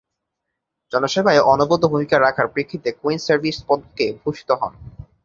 জনসেবায় অনবদ্য ভূমিকা রাখার প্রেক্ষিতে কুইন্স সার্ভিস পদকে ভূষিত হন।